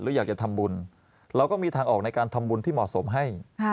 อยากจะทำบุญเราก็มีทางออกในการทำบุญที่เหมาะสมให้